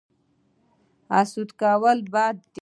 حسد کول بد دي